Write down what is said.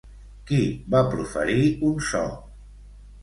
Qui va proferir un so?